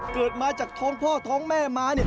เกิดมาจากท้องพ่อท้องแม่มา